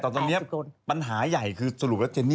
ขอโฟกัสเรื่องละครก่อน